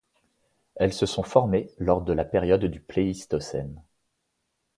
Elles se sont formées lors de la période du pléistocène.